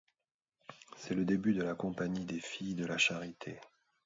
C'est le début de la compagnie des Filles de la Charité.